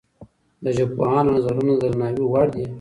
د ژبپوهانو نظرونه د درناوي وړ دي.